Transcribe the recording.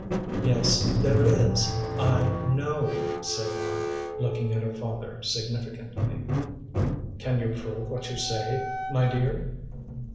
"Yes there is. I know," said Mara, looking at her father significantly. "Can you prove what you say, my dear?"